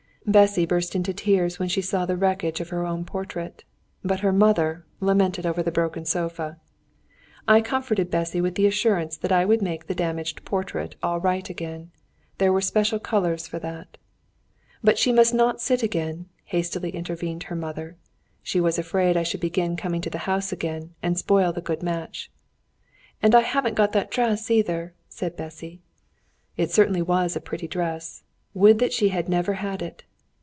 Bessy burst into tears when she saw the wreckage of her own portrait, but her mother lamented over the broken sofa. I comforted Bessy with the assurance that I would make the damaged portrait all right again there were special colours for that. "But she must not sit again," hastily intervened her mother. She was afraid I should begin coming to the house again and spoil the good match. "And I haven't got that dress either," said Bessy. It certainly was a pretty dress. Would that she had never had it!